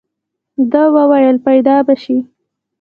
ده وويل پيدا به شي.